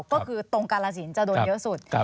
ก็คือตรงกาลสินจะโดนเยอะสุด